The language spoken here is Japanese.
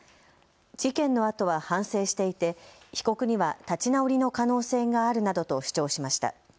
事件のあとは反省していて被告には立ち直りの可能性があるなどと主張しました。